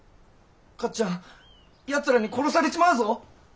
勝ちゃん奴らに殺されちまうぞ！